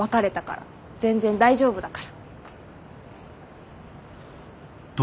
全然大丈夫だから。